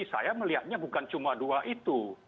saya melihatnya bukan cuma dua itu